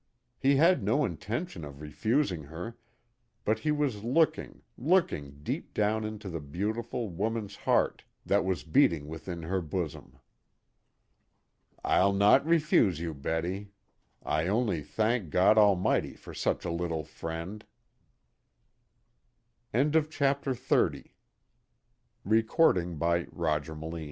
He had no intention of refusing her, but he was looking, looking deep down into the beautiful, woman's heart that was beating within her bosom. "I'll not refuse you, Betty. I only thank God Almighty for such a little friend." CHAPTER XXXI AT MIDNIGHT The silence of the night was u